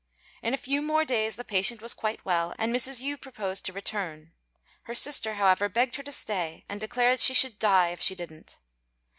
In a few more days the patient was quite well, and Mrs. Yü proposed to return; her sister, however, begged her to stay, and declared she should die if she didn't.